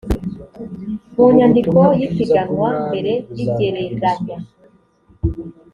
mu nyandiko y ipiganwa mbere y igereranya